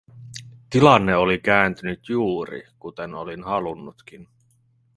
Tilanne oli kääntynyt juuri, kuten olin halunnutkin.